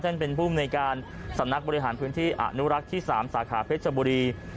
เป็นภูมิในการสำนักบริหารพื้นที่อนุรักษ์ที่๓สาขาเพชรบุรี